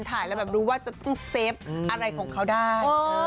ถ่ายแล้วแบบรู้ว่าจะต้องเซฟอะไรของเขาได้